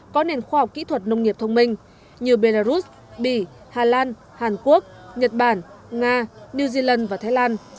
có nền khoa học kỹ thuật nông nghiệp thông minh như belarus bỉ hà lan hàn quốc nhật bản nga new zealand và thái lan